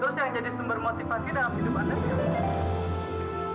terus yang jadi sumber motivasi dalam hidup anak kita